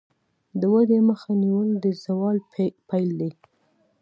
د ودې مخه نیول د زوال پیل دی.